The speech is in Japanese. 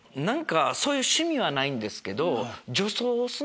そういう趣味はないんですけど。